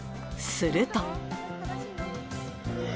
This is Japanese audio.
すると。